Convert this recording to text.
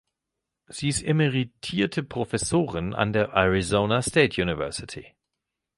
Sie ist emeritierte Professorin an der Arizona State University.